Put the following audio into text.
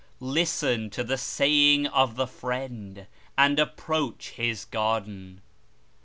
Listen to the Saying of the Friend, and approach His Garden.